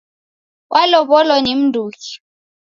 Walow'olo ni mnduki?